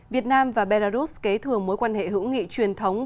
việt nam và belarus kế thừa mối quan hệ hữu nghị truyền thống